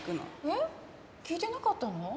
えっ聞いてなかったの？